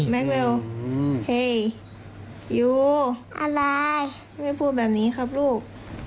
แม็กเวลเฮ้ยยูไม่พูดแบบนี้ครับลูก